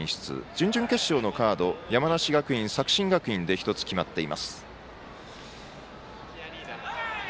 準々決勝のカード山梨学院、作新学院で１つ、決まっています。